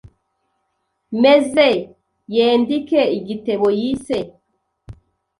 meze yendike igitebo yise